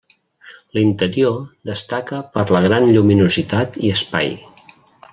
L'interior destaca per la gran lluminositat i espai.